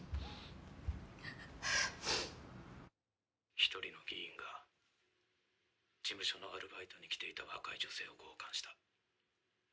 １人の議員が事務所のアルバイトに来ていた若い女性を強姦した。